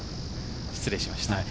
失礼しました。